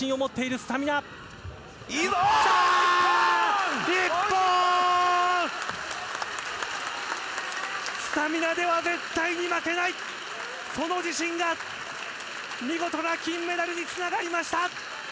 スタミナでは絶対に負けない、その自信が、見事な金メダルにつながりました。